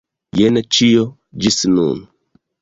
Jen ĉio, ĝis nun.